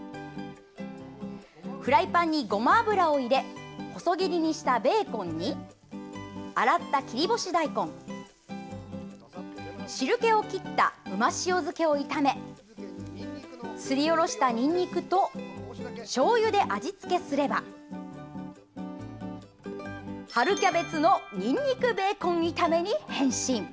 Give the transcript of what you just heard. フライパンに、ごま油を入れ細切りにしたベーコンに洗った切り干し大根汁けを切った旨塩漬けを炒めすりおろしたにんにくとしょうゆで味付けすれば春キャベツのにんにくベーコン炒めに変身。